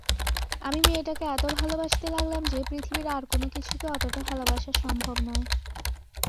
আমি মেয়েটাকে এত ভালোবাসতে লাগলাম যে, পৃথিবীর আর কোনোকিছুকে অতটা ভালোবাসা সম্ভব নয়।